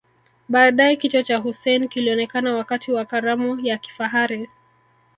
Baadae kichwa cha Hussein kilionekana wakati wa karamu ya kifahari